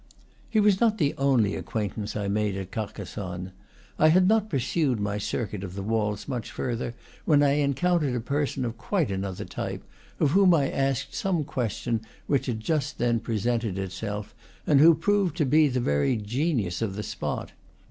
He was not the only acquaintance I made at Car cassonne. I had not pursued my circuit of the walls much further when I encountered a person of quite another type, of whom I asked some question which had just then presented, itself, and who proved to be the very genius of the spot.